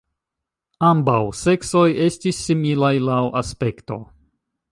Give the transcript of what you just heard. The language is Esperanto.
Ambaŭ seksoj estis similaj laŭ aspekto.